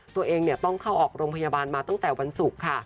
ตัวเองต้องเข้าออกโรงพยาบาลมาตั้งแต่วันศุกร์ค่ะ